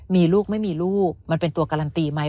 มีลูกไม่มีลูกมันเป็นตัวการันตีไหม